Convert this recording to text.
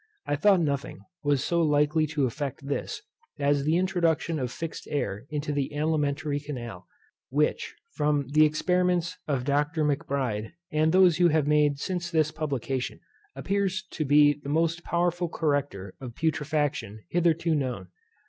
I thought nothing was so likely to effect this, as the introduction of fixed air into the alimentary canal, which, from the experiments of Dr. Macbride, and those you have made since his publication, appears to be the most powerful corrector of putrefaction hitherto known.